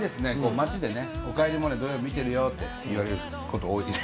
街でね「おかえりモネ」土曜日見てるよって言われること多いんで。